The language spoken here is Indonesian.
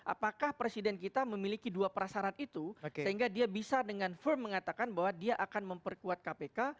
apakah presiden kita memiliki dua prasarat itu sehingga dia bisa dengan firm mengatakan bahwa dia akan memperkuat kpk